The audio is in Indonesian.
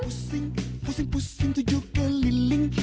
pusing pusing pusing tujuh keliling